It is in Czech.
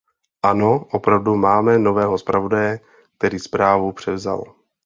Ano, opravdu máme nového zpravodaje, který zprávu převzal.